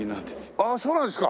ああそうなんですか。